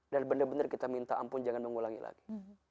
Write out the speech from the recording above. benar benar kita minta ampun jangan mengulangi lagi